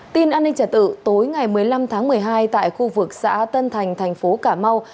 tin an ninh trả tự tối ngày một mươi năm tháng một mươi hai tại khu vực xã tân thành tp ca mau